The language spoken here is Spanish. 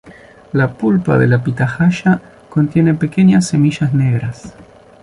La pulpa de la pitahaya contiene pequeñas semillas negras.